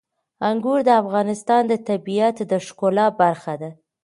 انګور د افغانستان د طبیعت د ښکلا برخه ده.